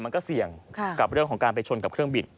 มันก็เสี่ยงกับเรื่องของการไปชนกับเครื่องบิน